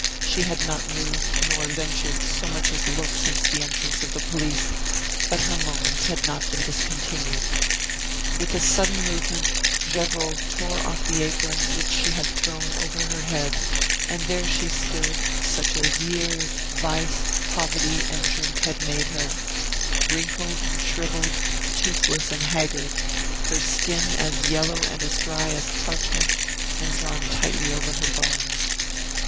She had not moved nor ventured so much as a look since the entrance of the police, but her moans had not been discontinued. With a sudden movement, Gevrol tore off the apron which she had thrown over her head, and there she stood, such as years, vice, poverty, and drink had made her; wrinkled, shriveled, toothless, and haggard, her skin as yellow and as dry as parchment and drawn tightly over her bones.